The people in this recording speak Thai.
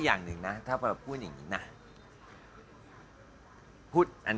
ปีที่แล้วเขาตกเป็นเหยื่อปีนี้ก็อาจเป็นตังค์